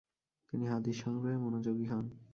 তিনি হাদিস সংগ্রহে মনোযোগী হন।